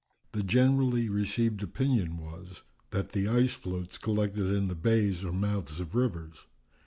The generally received opinion was, that the ice floats collected in the bays or mouths of rivers.